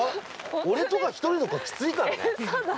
俺とか一人の方がきついからね。